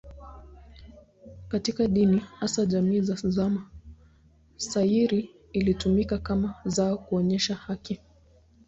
Katika dini, hasa jamii za zamani, shayiri ilitumika kama zao kuonyesha haki.